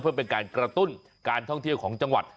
เพื่อเป็นการกระตุ้นการท่องเที่ยวของจังหวัด